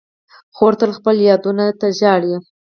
خور تل خپلو یادونو ته ژاړي.